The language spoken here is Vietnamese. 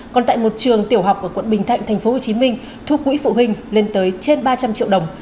còn tại một trường tiểu học ở quận bình thạnh tp hcm thu quỹ phụ huynh lên tới trên ba trăm linh triệu đồng